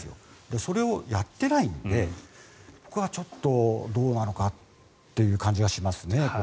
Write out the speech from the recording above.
それをやっていないんで僕はちょっとどうなのかっていう感じがしますね。